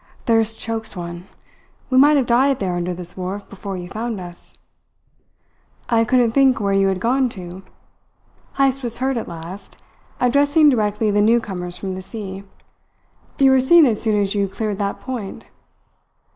Thirst chokes one. We might have died there under this wharf before you found us." "I couldn't think where you had gone to." Heyst was heard at last, addressing directly the newcomers from the sea. "You were seen as soon as you cleared that point."